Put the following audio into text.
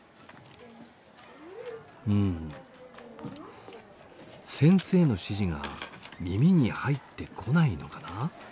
うん先生の指示が耳に入ってこないのかなあ。